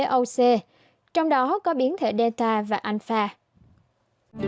trong đó có biến thể này phát huy hiệu quả đối với các biến thể được tổ chức y tế thế giới who đưa vào danh sách đáng quan ngại voc